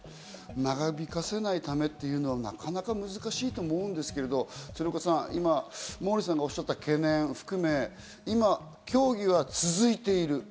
長引かせないためというのはなかなか難しいと思うんですけど、鶴岡さん、モーリーさんがおっしゃった懸念を含め、今、協議は続いている。